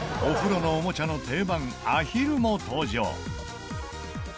お風呂のおもちゃの定番アヒルも登場。